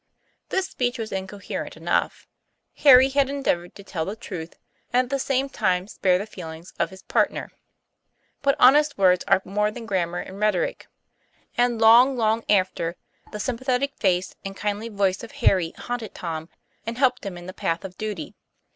This speech was incoherent enough. Harry had endeavored to tell the truth and at the same time spare the feelings of his " partner. " But honest words are more than grammar and rhetoric; and long, long after, the sympathetic face and kindly voice of Harry haunted Tom, and helped him in the path of duty.